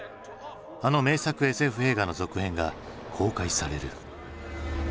あの名作ＳＦ映画の続編が公開される。